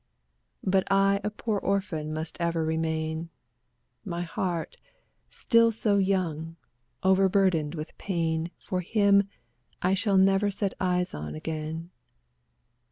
i6 But I a poor orphan must ever remain, My heart, still so young, overburdened with pain For him I shall never set eyes on again.